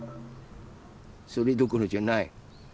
それどころじゃない。